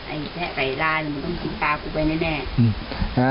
ไอ้แทะไก่ล่ามันต้องกินปลากูไปแน่